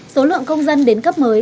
số lượng công dân đến cấp mới